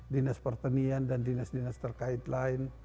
dinas pertanian dan dinas dinas terkait lain